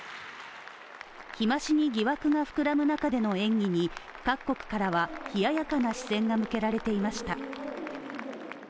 日増しに疑惑が膨らむ中での演技に各国からは冷ややかな視線が向けられていました。